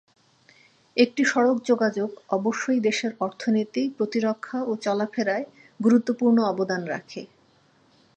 একটি সড়ক যোগাযোগ অবশ্যই দেশের অর্থনীতি, প্রতিরক্ষা ও চলাফেরায় গুরুত্বপূর্ণ অবদান রাখে।